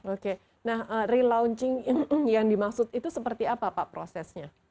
oke nah relaunching yang dimaksud itu seperti apa pak prosesnya